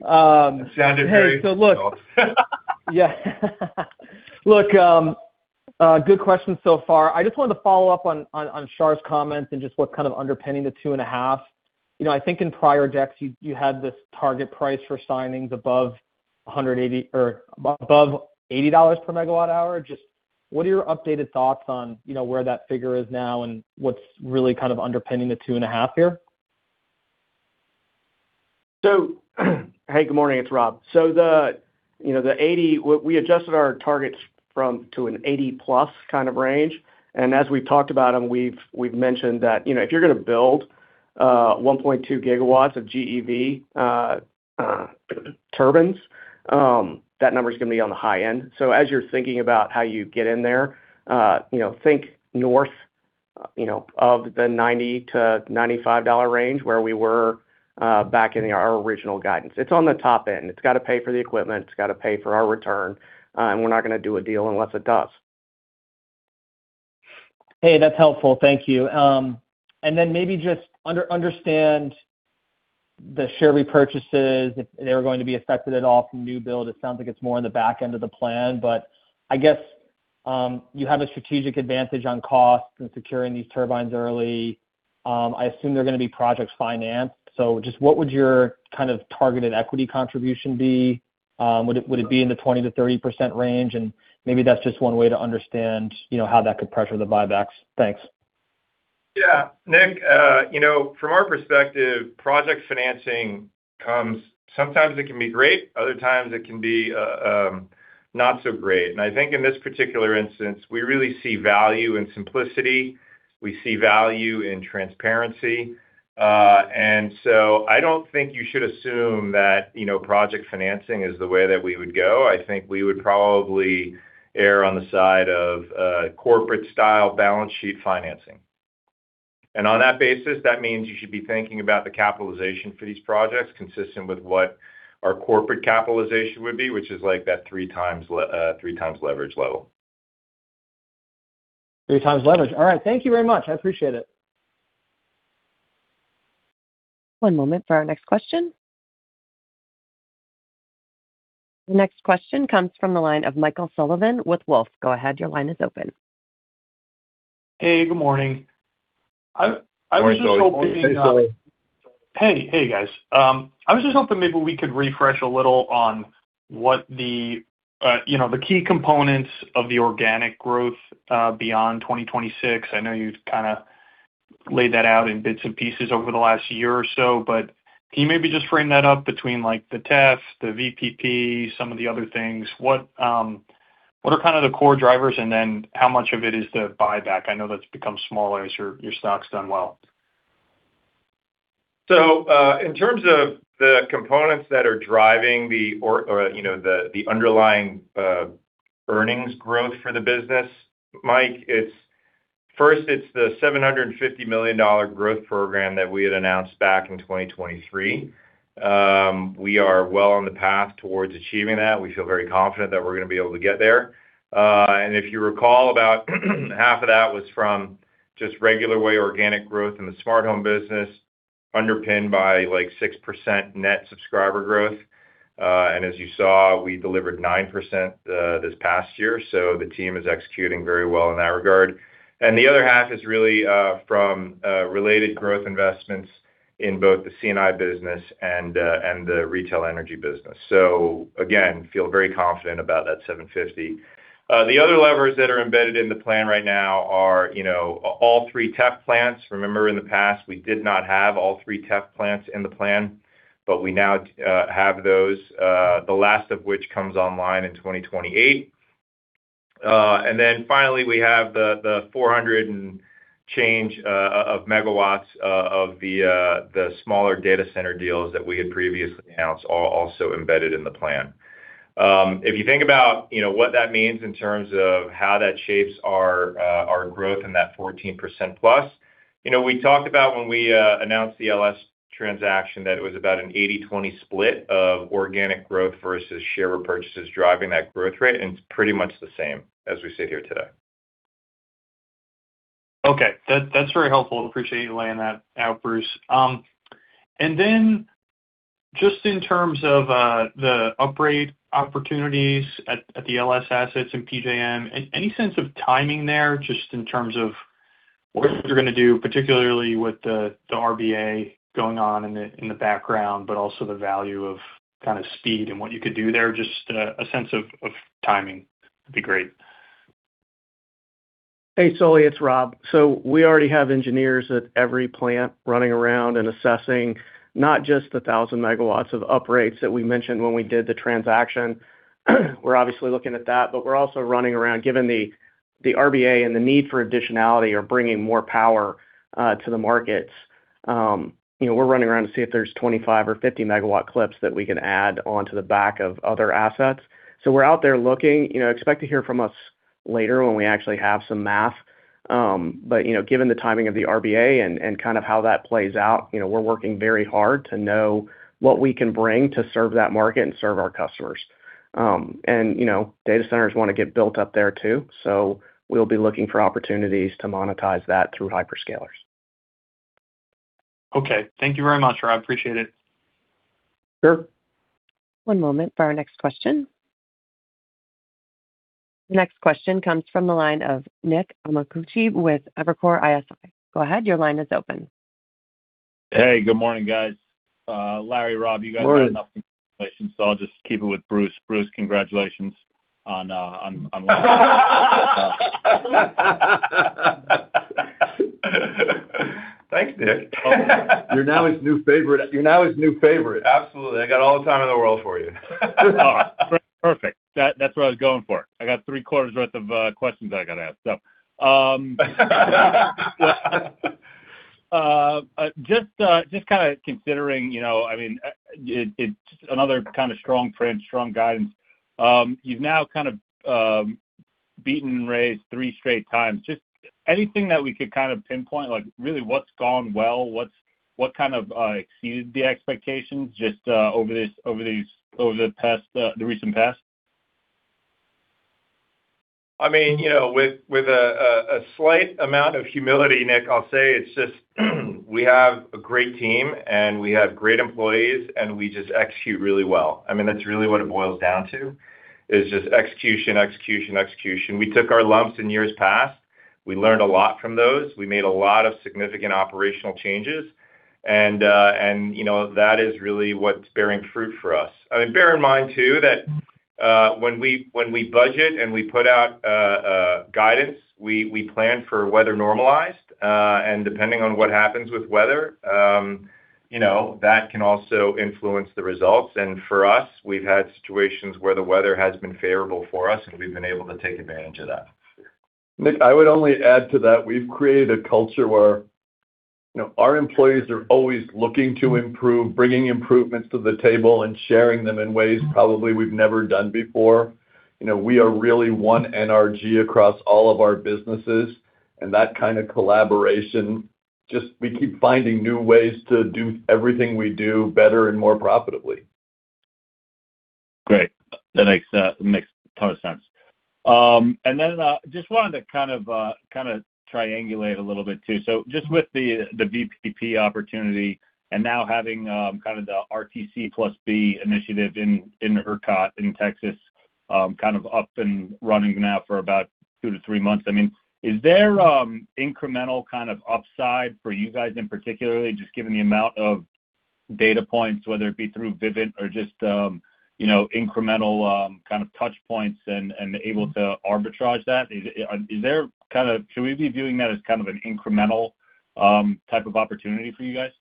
Speaker 9: Um-
Speaker 4: Sounded very...
Speaker 9: Look, good questions so far. I just wanted to follow up on Shar's comments and just what's kind of underpinning the 2.5. You know, I think in prior decks, you had this target price for signings above $80 per megawatt hour. Just what are your updated thoughts on, you know, where that figure is now and what's really kind of underpinning the 2.5 here?
Speaker 6: Good morning, it's Rob. The, you know, the 80, we adjusted our targets to an 80+ kind of range. As we've talked about them, we've mentioned that, you know, if you're gonna build 1.2 GW of GEV turbines, that number is gonna be on the high end. As you're thinking about how you get in there, you know, think north, you know, of the $90-$95 range, where we were back in our original guidance. It's on the top end. It's got to pay for the equipment, it's got to pay for our return. We're not gonna do a deal unless it does.
Speaker 9: Hey, that's helpful. Thank you. Then maybe just understand the share repurchases, if they were going to be affected at all from new build. It sounds like it's more on the back end of the plan, but I guess, you have a strategic advantage on cost and securing these turbines early. I assume they're gonna be projects financed. Just what would your kind of targeted equity contribution be? Would it be in the 20%-30% range? Maybe that's just one way to understand, you know, how that could pressure the buybacks. Thanks.
Speaker 4: Yeah. Nick, you know, from our perspective, project financing sometimes it can be great, other times it can be not so great. I think in this particular instance, we really see value in simplicity. We see value in transparency. I don't think you should assume that, you know, project financing is the way that we would go. I think we would probably err on the side of corporate-style balance sheet financing. On that basis, that means you should be thinking about the capitalization for these projects, consistent with what our corporate capitalization would be, which is like that 3x leverage level.
Speaker 9: Three times leverage. All right. Thank you very much. I appreciate it.
Speaker 1: One moment for our next question. The next question comes from the line of Michael Sullivan with Wolfe. Go ahead. Your line is open.
Speaker 10: Hey, good morning. I was just hoping,
Speaker 4: Hey, Sully.
Speaker 10: Hey. Hey, guys. I was just hoping maybe we could refresh a little on what the, you know, the key components of the organic growth beyond 2026? I know you've kinda laid that out in bits and pieces over the last year or so, but can you maybe just frame that up between, like, the TEF, the VPP, some of the other things? What are kind of the core drivers, and then how much of it is the buyback? I know that's become smaller as your stock's done well.
Speaker 4: In terms of the components that are driving the, you know, the underlying earnings growth for the business, Mike, first, it's the $750 million growth program that we had announced back in 2023. We are well on the path towards achieving that. We feel very confident that we're going to be able to get there. If you recall, about half of that was from just regular way organic growth in the Smart Home business, underpinned by, like, 6% net subscriber growth. As you saw, we delivered 9% this past year, the team is executing very well in that regard. The other half is really from related growth investments in both the C&I business and the retail energy business. Again, feel very confident about that 750. The other levers that are embedded in the plan right now are, you know, all three TEF plants. Remember, in the past, we did not have all three TEF plants in the plan, but we now have those, the last of which comes online in 2028. Finally, we have the 400 and change MW, of the smaller data center deals that we had previously announced, all also embedded in the plan. If you think about, you know, what that means in terms of how that shapes our growth in that 14% plus, you know, we talked about when we announced the LS transaction, that it was about an 80-20 split of organic growth versus share repurchases driving that growth rate. It's pretty much the same as we sit here today.
Speaker 10: Okay, that's very helpful. Appreciate you laying that out, Bruce. Just in terms of the upgrade opportunities at the LS assets and PJM, any sense of timing there, just in terms of what you're going to do, particularly with the RBA going on in the background, but also the value of kind of speed and what you could do there? Just a sense of timing would be great.
Speaker 6: Hey, Sully, it's Rob. We already have engineers at every plant running around and assessing not just the 1,000 MW of upgrades that we mentioned when we did the transaction. We're obviously looking at that, we're also running around, given the RBA and the need for additionality, or bringing more power to the markets. You know, we're running around to see if there's 25 or 50 MW clips that we can add onto the back of other assets. We're out there looking. You know, expect to hear from us later when we actually have some math, but, you know, given the timing of the RBA and kind of how that plays out, you know, we're working very hard to know what we can bring to serve that market and serve our customers. You know, data centers want to get built up there too, so we'll be looking for opportunities to monetize that through hyperscalers.
Speaker 10: Okay. Thank you very much, Rob. I appreciate it.
Speaker 6: Sure.
Speaker 1: One moment for our next question. The next question comes from the line of Nicholas Amicucci with Evercore ISI. Go ahead. Your line is open.
Speaker 11: Hey, good morning, guys. Larry, Rob, you guys.
Speaker 4: Morning.
Speaker 11: I'll just keep it with Bruce. Bruce, congratulations on.
Speaker 4: Thanks, Nick.
Speaker 6: You're now his new favorite.
Speaker 4: Absolutely. I got all the time in the world for you.
Speaker 11: Perfect. That's what I was going for. I got three quarters worth of questions I got to ask. Just kind of considering, you know, I mean, it's another kind of strong print, strong guidance. You've now kind of beaten raise three straight times. Just anything that we could kind of pinpoint, like, really what's gone well, what kind of exceeded the expectations just over the past, the recent past?
Speaker 4: I mean, you know, with a slight amount of humility, Nick, I'll say it's just, we have a great team, and we have great employees, and we just execute really well. I mean, that's really what it boils down to, is just execution, execution. We took our lumps in years past. We learned a lot from those. We made a lot of significant operational changes, and, you know, that is really what's bearing fruit for us. I mean, bear in mind, too, that when we budget and we put out guidance, we plan for weather normalized, and depending on what happens with weather, you know, that can also influence the results. For us, we've had situations where the weather has been favorable for us, and we've been able to take advantage of that.
Speaker 6: Nick, I would only add to that, we've created a culture where-
Speaker 3: You know, our employees are always looking to improve, bringing improvements to the table and sharing them in ways probably we've never done before. You know, we are really one NRG across all of our businesses. That kind of collaboration, just we keep finding new ways to do everything we do better and more profitably.
Speaker 11: Great. That makes total sense. Then, just wanted to kind of triangulate a little bit too. Just with the VPP opportunity and now having the RTC+B initiative in ERCOT, in Texas, up and running now for about two-three months, I mean, is there incremental kind of upside for you guys in particularly, just given the amount of data points, whether it be through Vivint or just, you know, incremental touch points and able to arbitrage that? Should we be viewing that as kind of an incremental type of opportunity for you guys?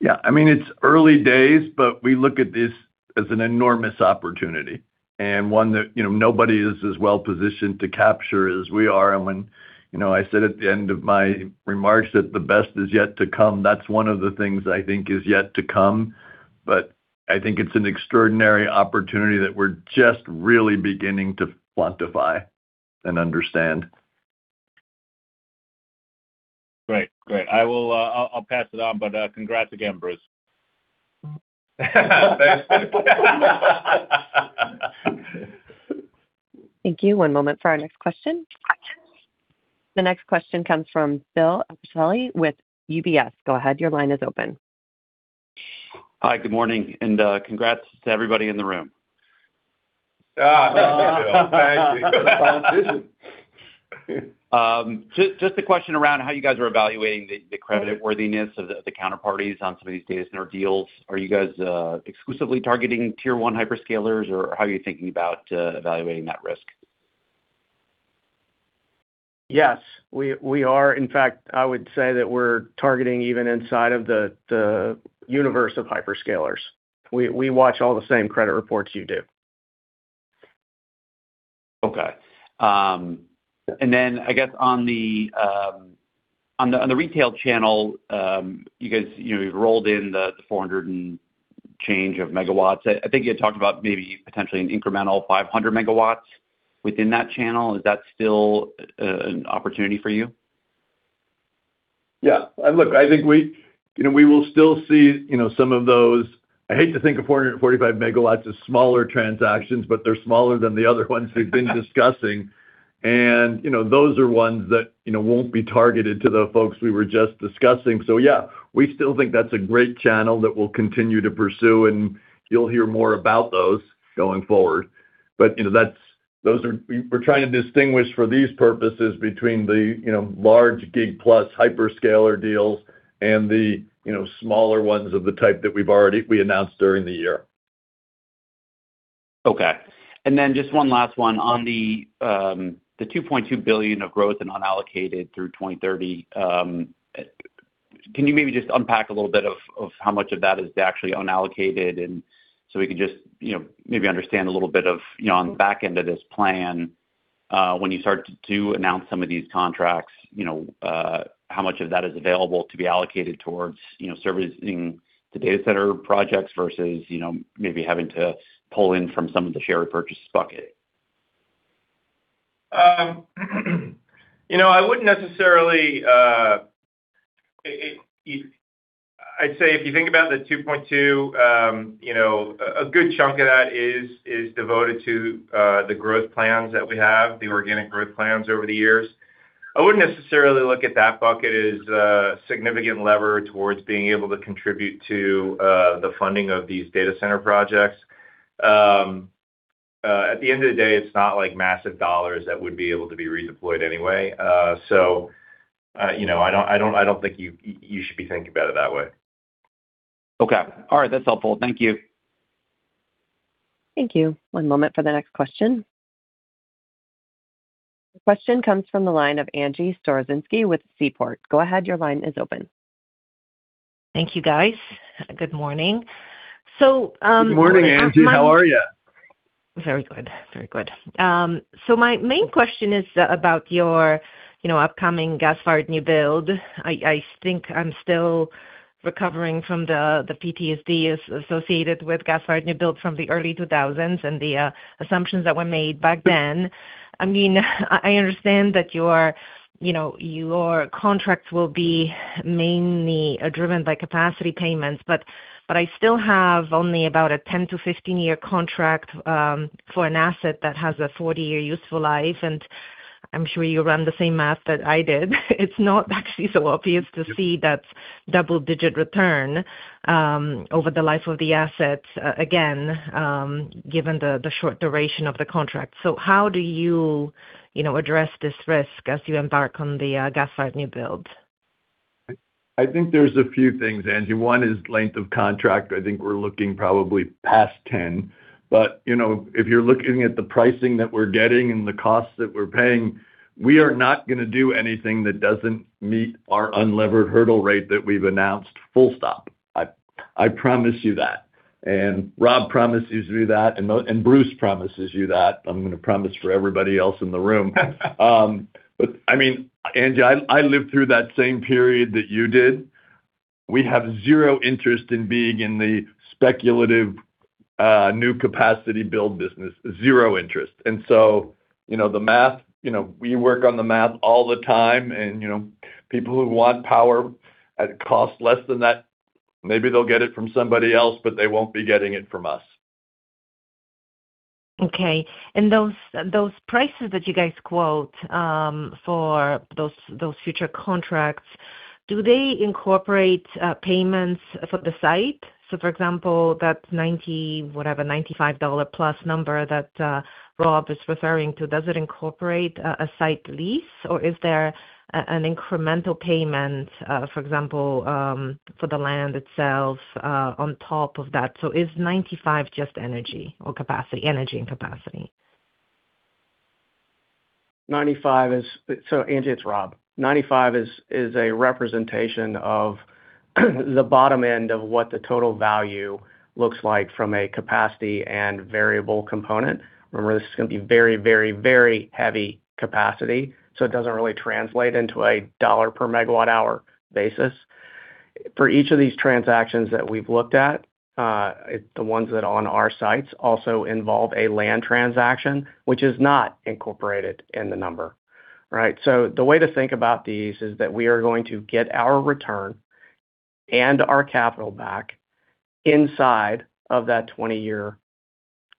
Speaker 3: Yeah, I mean, it's early days, but we look at this as an enormous opportunity and one that, you know, nobody is as well positioned to capture as we are. When, you know, I said at the end of my remarks that the best is yet to come, that's one of the things I think is yet to come. I think it's an extraordinary opportunity that we're just really beginning to quantify and understand.
Speaker 11: Great. I'll pass it on. Congrats again, Bruce.
Speaker 3: Thanks.
Speaker 1: Thank you. One moment for our next question. The next question comes from Bill Appicelli with UBS. Go ahead. Your line is open.
Speaker 12: Hi, good morning, and congrats to everybody in the room.
Speaker 3: Thank you.
Speaker 12: just a question around how you guys are evaluating the credit worthiness of the counterparties on some of these data center deals. Are you guys exclusively targeting tier 1 hyperscalers, or how are you thinking about evaluating that risk?
Speaker 3: Yes, we are. In fact, I would say that we're targeting even inside of the universe of hyperscalers. We watch all the same credit reports you do.
Speaker 12: Okay. I guess on the retail channel, you guys, you know, you've rolled in the 400 and change of megawatts. I think you had talked about maybe potentially an incremental 500 MW within that channel. Is that still an opportunity for you?
Speaker 3: Yeah. Look, I think we, you know, we will still see, you know, some of those... I hate to think of 445 MW as smaller transactions, but they're smaller than the other ones we've been discussing. You know, those are ones that, you know, won't be targeted to the folks we were just discussing. Yeah, we still think that's a great channel that we'll continue to pursue, and you'll hear more about those going forward. You know, that's those are We're trying to distinguish for these purposes between the, you know, large gig plus hyperscaler deals and the, you know, smaller ones of the type that we've already we announced during the year.
Speaker 12: Okay. Just one last one. On the $2.2 billion of growth in unallocated through 2030, can you maybe just unpack a little bit of how much of that is actually unallocated? We can just, you know, maybe understand a little bit of, you know, on the back end of this plan, when you start to announce some of these contracts, you know, how much of that is available to be allocated towards, you know, servicing the data center projects versus, you know, maybe having to pull in from some of the shared purchases bucket.
Speaker 3: You know, I wouldn't necessarily, I'd say if you think about the 2.2, you know, a good chunk of that is devoted to the growth plans that we have, the organic growth plans over the years. I wouldn't necessarily look at that bucket as a significant lever towards being able to contribute to the funding of these data center projects. At the end of the day, it's not like massive dollars that would be able to be redeployed anyway. You know, I don't think you should be thinking about it that way.
Speaker 12: Okay. All right. That's helpful. Thank you.
Speaker 1: Thank you. One moment for the next question. The question comes from the line of Angie Storozynski with Seaport. Go ahead. Your line is open.
Speaker 13: Thank you, guys. Good morning.
Speaker 3: Good morning, Angie. How are you?
Speaker 13: Very good. Very good. My main question is about your, you know, upcoming gas-fired new build. I think I'm still recovering from the PTSD as associated with gas-fired new build from the early 2000s and the assumptions that were made back then. I mean, I understand that your, you know, your contracts will be mainly driven by capacity payments, but I still have only about a 10-15 year contract for an asset that has a 40-year useful life, and I'm sure you ran the same math that I did. It's not actually so obvious to see that double-digit return over the life of the assets, again, given the short duration of the contract. How do you know, address this risk as you embark on the gas-fired new build?
Speaker 3: I think there's a few things, Angie. One is length of contract. I think we're looking probably past 10, but, you know, if you're looking at the pricing that we're getting and the costs that we're paying, we are not gonna do anything that doesn't meet our unlevered hurdle rate that we've announced. Full stop. I promise you that. Rob promises you that, and Bruce promises you that. I'm gonna promise for everybody else in the room. I mean, Angie, I lived through that same period that you did. We have zero interest in being in the speculative new capacity build business. Zero interest. You know, the math, you know, we work on the math all the time, and, you know, people who want power at a cost less than that, maybe they'll get it from somebody else, but they won't be getting it from us.
Speaker 13: Okay. Those prices that you guys quote for those future contracts, do they incorporate payments for the site? For example, that $95+ number that Rob is referring to, does it incorporate a site lease, or is there an incremental payment, for example, for the land itself, on top of that? Is $95 just energy or capacity? Energy and capacity?
Speaker 6: Angie, it's Rob. 95 is a representation of the bottom end of what the total value looks like from a capacity and variable component. Remember, this is going to be very, very, very heavy capacity, it doesn't really translate into a dollar-per-megawatt hour basis. For each of these transactions that we've looked at, the ones that are on our sites also involve a land transaction, which is not incorporated in the number, right? The way to think about these is that we are going to get our return and our capital back inside of that 20-year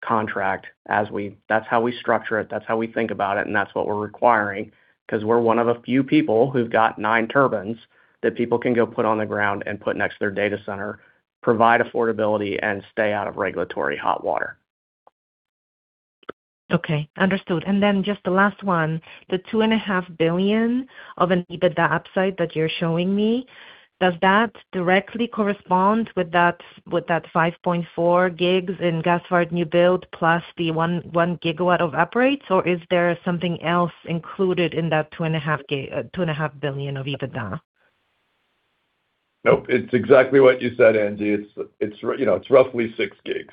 Speaker 6: contract, that's how we structure it, that's how we think about it, and that's what we're requiring. We're one of the few people who've got nine turbines that people can go put on the ground and put next to their data center, provide affordability, and stay out of regulatory hot water.
Speaker 13: Okay, understood. just the last one, the 2.5 billion of an EBITDA upside that you're showing me, does that directly correspond with that 5.4 GW in gas-fired new build plus the 1 GW of uprates? is there something else included in that two and a half billion of EBITDA?
Speaker 3: Nope, it's exactly what you said, Angie. It's, you know, it's roughly 6 GW.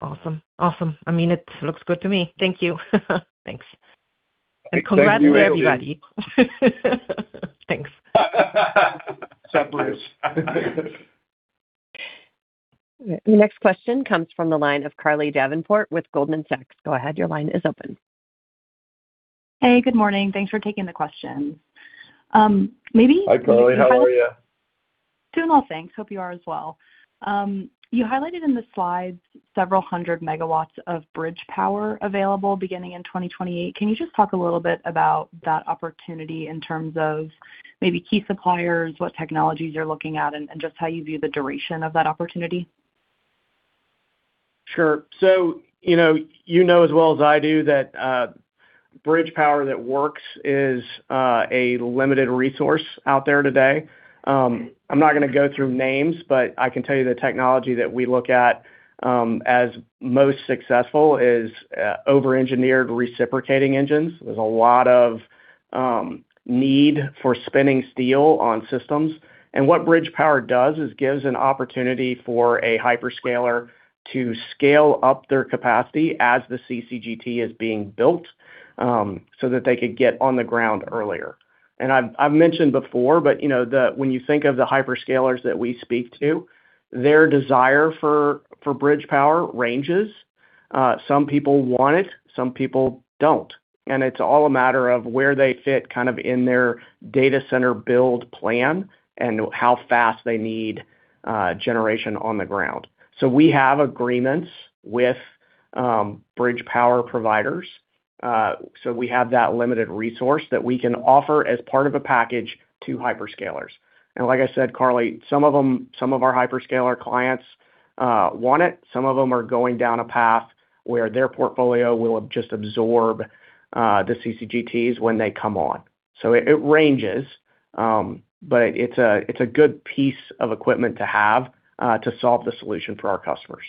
Speaker 13: Awesome. Awesome. I mean, it looks good to me. Thank you. Thanks.
Speaker 3: Thank you, Angie.
Speaker 13: Congrats to everybody. Thanks.
Speaker 3: Pleased.
Speaker 1: The next question comes from the line of Carly Davenport with Goldman Sachs. Go ahead, your line is open.
Speaker 14: Hey, good morning. Thanks for taking the questions.
Speaker 3: Hi, Carly, how are you?
Speaker 14: Doing well, thanks. Hope you are as well. You highlighted in the slides several hundred megawatts of bridge power available beginning in 2028. Can you just talk a little bit about that opportunity in terms of maybe key suppliers, what technologies you're looking at, and just how you view the duration of that opportunity?
Speaker 6: Sure. You know, you know as well as I do that, bridge power that works is a limited resource out there today. I'm not gonna go through names, but I can tell you the technology that we look at, as most successful is over-engineered reciprocating engines. There's a lot of need for spinning steel on systems, and what bridge power does is gives an opportunity for a hyperscaler to scale up their capacity as the CCGT is being built, so that they could get on the ground earlier. I've mentioned before, but you know, when you think of the hyperscalers that we speak to, their desire for bridge power ranges. Some people want it, some people don't, and it's all a matter of where they fit kind of in their data center build plan and how fast they need generation on the ground. We have agreements with bridge power providers, so we have that limited resource that we can offer as part of a package to hyperscalers. Like I said, Carly, some of them, some of our hyperscaler clients want it. Some of them are going down a path where their portfolio will just absorb the CCGTs when they come on. It ranges, but it's a good piece of equipment to have to solve the solution for our customers.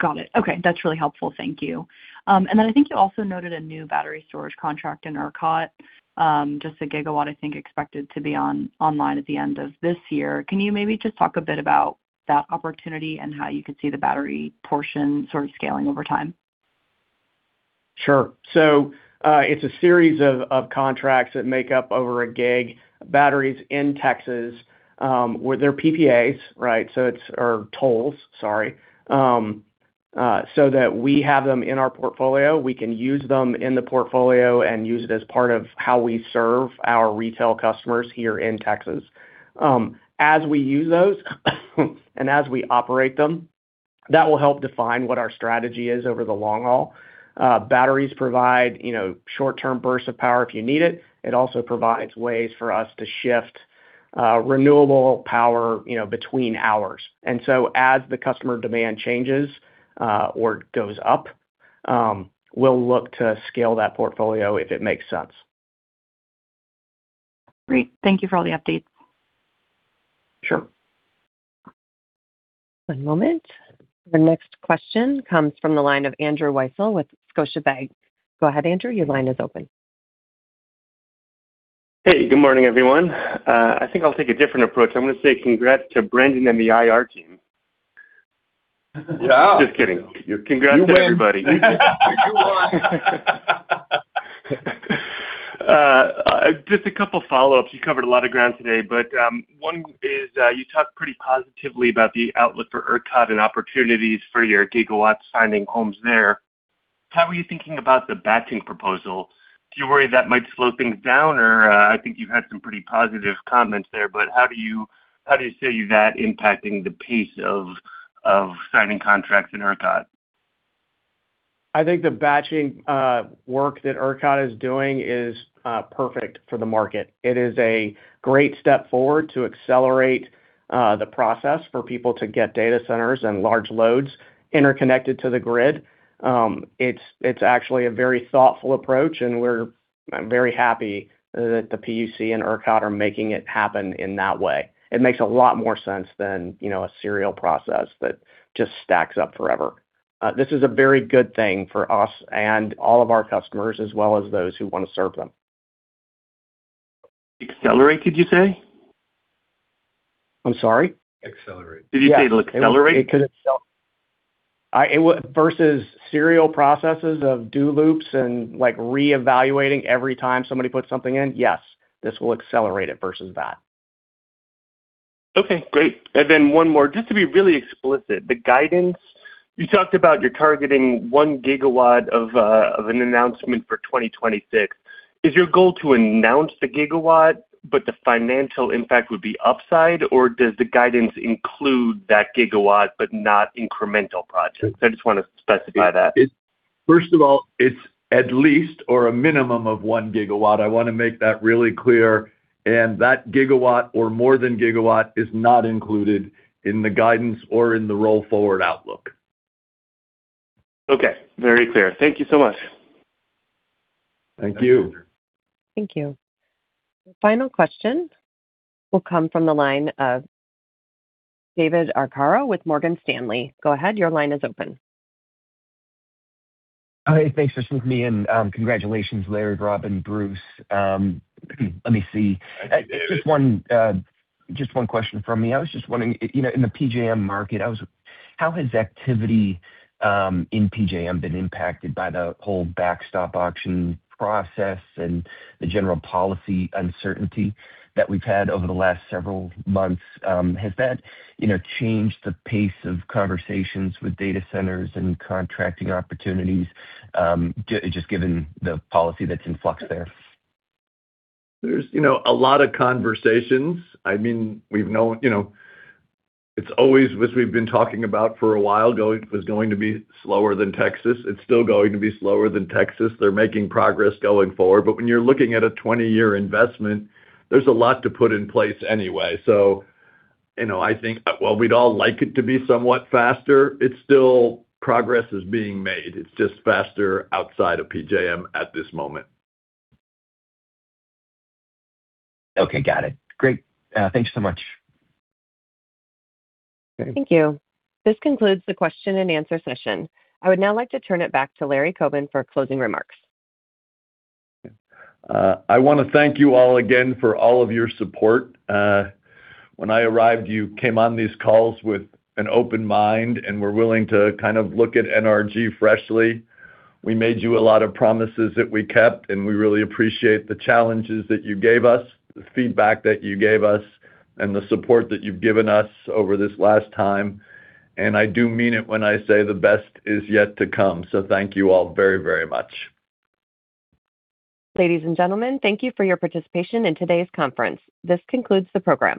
Speaker 14: Got it. Okay. That's really helpful. Thank you. I think you also noted a new battery storage contract in ERCOT, just 1 GW, I think, expected to be online at the end of this year. Can you maybe just talk a bit about that opportunity and how you could see the battery portion sort of scaling over time?
Speaker 6: Sure. It's a series of contracts that make up over 1 GW, batteries in Texas, with their PPAs, right? Or tolls, sorry. That we have them in our portfolio, we can use them in the portfolio and use it as part of how we serve our retail customers here in Texas. As we use those, and as we operate them, that will help define what our strategy is over the long haul. Batteries provide, you know, short-term bursts of power if you need it. It also provides ways for us to shift renewable power, you know, between hours. As the customer demand changes, or goes up, we'll look to scale that portfolio if it makes sense.
Speaker 14: Great. Thank you for all the updates.
Speaker 6: Sure.
Speaker 1: One moment. The next question comes from the line of Andrew Weisel with Scotiabank. Go ahead, Andrew, your line is open.
Speaker 15: Hey, good morning, everyone. I think I'll take a different approach. I'm going to say congrats to Brendan and the IR team.
Speaker 3: Yeah!
Speaker 15: Just kidding. Congrats to everybody.
Speaker 3: You won.
Speaker 15: Just a couple of follow-ups. You covered a lot of ground today, but one is, you talked pretty positively about the outlook for ERCOT and opportunities for your GWs signing homes there. How are you thinking about the batching proposal? Do you worry that might slow things down or, I think you've had some pretty positive comments there, but how do you see that impacting the pace of signing contracts in ERCOT?
Speaker 6: I think the batching work that ERCOT is doing is perfect for the market. It is a great step forward to accelerate the process for people to get data centers and large loads interconnected to the grid. It's actually a very thoughtful approach, and we're very happy that the PUC and ERCOT are making it happen in that way. It makes a lot more sense than, you know, a serial process that just stacks up forever. This is a very good thing for us and all of our customers, as well as those who want to serve them.
Speaker 15: Accelerate, did you say?
Speaker 6: I'm sorry?
Speaker 3: Accelerate.
Speaker 15: Did you say it'll accelerate?
Speaker 6: It could... versus serial processes of do loops and, like, reevaluating every time somebody puts something in, yes, this will accelerate it versus that.
Speaker 15: Okay, great. One more, just to be really explicit, the guidance. You talked about you're targeting 1 GW of an announcement for 2026. Is your goal to announce the gigawatt, but the financial impact would be upside, or does the guidance include that gigawatt, but not incremental projects? I just want to specify that.
Speaker 3: First of all, it's at least or a minimum of one gigawatt. I want to make that really clear. That gigawatt, or more than gigawatt, is not included in the guidance or in the roll-forward outlook.
Speaker 15: Okay, very clear. Thank you so much.
Speaker 3: Thank you.
Speaker 1: Thank you. Final question will come from the line of David Arcaro with Morgan Stanley. Go ahead. Your line is open.
Speaker 16: Hi, thanks for sending me in. Congratulations, Larry, Rob, and Bruce. Let me see. Just one question from me. I was just wondering, you know, in the PJM market, how has activity in PJM been impacted by the whole backstop auction process and the general policy uncertainty that we've had over the last several months? Has that, you know, changed the pace of conversations with data centers and contracting opportunities, just given the policy that's in flux there?
Speaker 3: There's, you know, a lot of conversations. I mean, we've known. You know, it's always, as we've been talking about for a while, it was going to be slower than Texas. It's still going to be slower than Texas. They're making progress going forward. When you're looking at a 20-year investment, there's a lot to put in place anyway. You know, I think while we'd all like it to be somewhat faster, it's still progress is being made. It's just faster outside of PJM at this moment.
Speaker 16: Okay, got it. Great. Thank you so much.
Speaker 1: Thank you. This concludes the question and answer session. I would now like to turn it back to Lawrence Coben for closing remarks.
Speaker 3: I want to thank you all again for all of your support. When I arrived, you came on these calls with an open mind and were willing to kind of look at NRG freshly. We made you a lot of promises that we kept, and we really appreciate the challenges that you gave us, the feedback that you gave us, and the support that you've given us over this last time. I do mean it when I say the best is yet to come. Thank you all very, very much.
Speaker 1: Ladies and gentlemen, thank you for your participation in today's conference. This concludes the program.